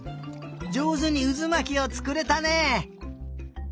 じょうずにうずまきをつくれたね！